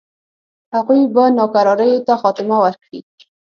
هغوی به ناکراریو ته خاتمه ورکړي.